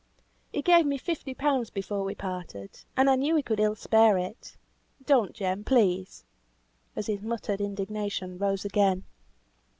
He gave me fifty pound before we parted, and I knew he could ill spare it. Don't, Jem, please," as his muttered indignation rose again.